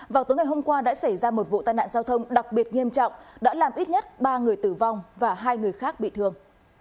vào tối ngày hôm qua đã xảy ra một vụ tai nạn giao thông đặc biệt nghiêm trọng đã làm ít nhất ba người tử vong và hai người khác bị thương